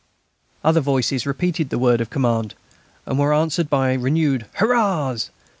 _" [Up!] Other voices repeated the word of command, and were answered by renewed "hurrahs!"